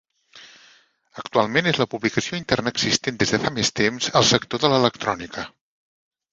Actualment és la publicació interna existent des de fa més temps al sector de l'electrònica.